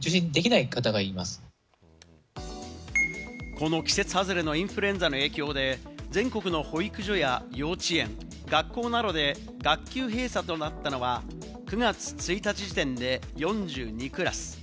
この季節外れのインフルエンザの影響で、全国の保育所や幼稚園、学校などで、学級閉鎖となったのは９月１日時点で、４２クラス。